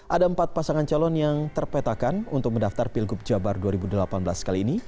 ada empat pasangan calon yang terpetakan untuk mendaftar pilgub jabar dua ribu delapan belas kali ini